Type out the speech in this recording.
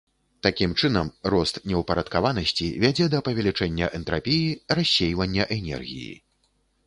Такім чынам, рост неўпарадкаванасці вядзе да павялічэння энтрапіі, рассейвання энергіі.